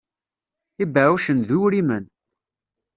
Ibeɛɛucen d uwrimen.